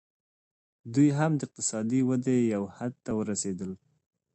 دوی هم د اقتصادي ودې یو حد ته ورسېدل